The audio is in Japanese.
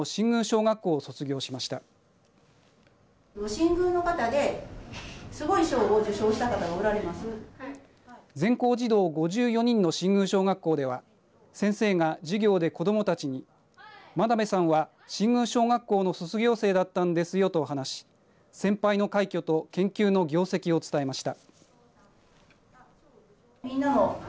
全校生徒５４人の新宮小学校では先生が授業で子どもたちに、真鍋さんは新宮小学校の卒業生だったんですよと話し先輩の快挙と研究の業績を伝えました。